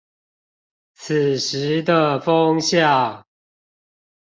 此時的風向